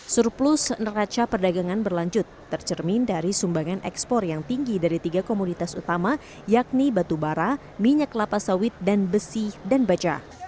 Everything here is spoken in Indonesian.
surplus neraca perdagangan berlanjut tercermin dari sumbangan ekspor yang tinggi dari tiga komoditas utama yakni batu bara minyak kelapa sawit dan besi dan baja